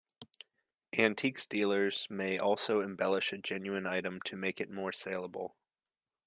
Antiquities dealer may also embellish a genuine item to make it more saleable.